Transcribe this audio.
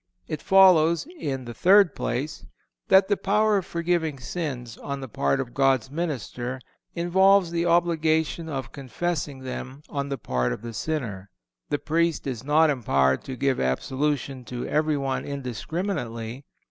It follows, in the third place, that the power of forgiving sins, on the part of God's minister, involves the obligation of confessing them on the part of the sinner. The Priest is not empowered to give absolution to every one indiscriminately.